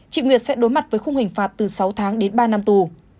chị nguyệt sẽ đối mặt với khung hình phạt từ sáu tháng đến ba năm tù